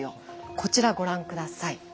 こちらご覧下さい。